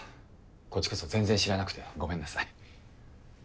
こっちこそ全然知らなくてごめんなさい。